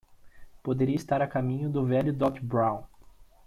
Poderia estar a caminho do velho Doc Brown!